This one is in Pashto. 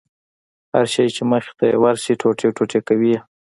هر شى چې مخې ته يې ورسي ټوټې ټوټې کوي يې.